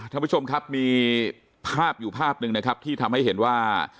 ท่านผู้ชมครับมีภาพอยู่ภาพหนึ่งนะครับที่ทำให้เห็นว่า